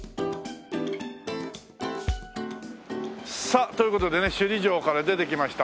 さあという事でね首里城から出てきました。